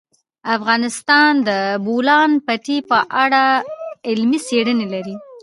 افغانستان د د بولان پټي په اړه علمي څېړنې لري.